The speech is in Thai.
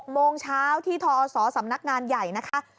โมงเช้าที่ทอศสำนักงานใหญ่นะคะ